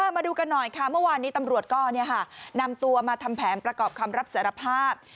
มาดูกันหน่อยค่ะเมื่อวานนี้ตำรวจก็นำตัวมาทำแผนประกอบคำรับสารภาพ